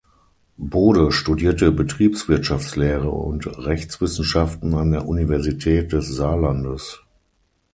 Bode studierte Betriebswirtschaftslehre und Rechtswissenschaften an der Universität des Saarlandes.